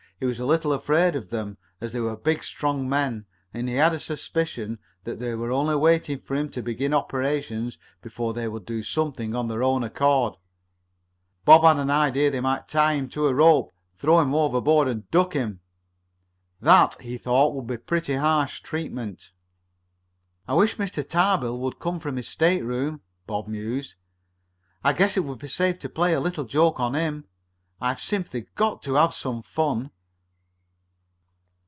He was a little afraid of them, as they were big, strong men, and he had a suspicion that they were only waiting for him to begin operations before they would do something on their own account. Bob had an idea they might tie him to a rope, throw him overboard and duck him. That, he thought, would be pretty harsh treatment. "I wish Mr. Tarbill would come from his stateroom," Bob mused. "I guess it would be safe to play a little joke on him. I've simply got to have some fun."